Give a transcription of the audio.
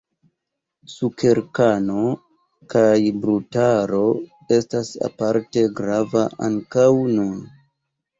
Sukerkano kaj brutaro estas aparte grava ankaŭ nun.